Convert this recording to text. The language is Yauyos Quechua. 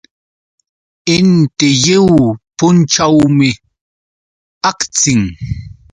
Inti lliw punćhawmi akchin.